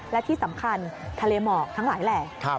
และที่สำคัญทะเลหมอกทั้งหลายแหล่